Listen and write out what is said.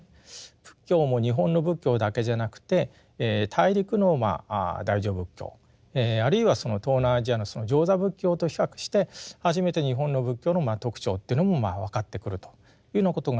仏教も日本の仏教だけじゃなくて大陸の大乗仏教あるいは東南アジアの上座部仏教と比較して初めて日本の仏教の特徴というのも分かってくるというようなことがありまして。